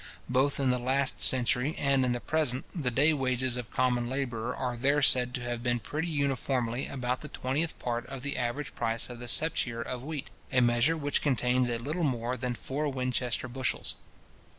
Both in the last century and in the present, the day wages of common labour are there said to have been pretty uniformly about the twentieth part of the average price of the septier of wheat; a measure which contains a little more than four Winchester bushels.